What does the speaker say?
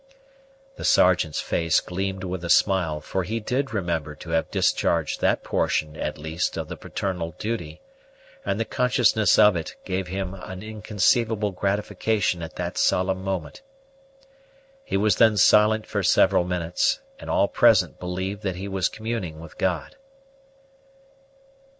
The Sergeant's face gleamed with a smile, for he did remember to have discharged that portion at least of the paternal duty, and the consciousness of it gave him inconceivable gratification at that solemn moment. He was then silent for several minutes, and all present believed that he was communing with God.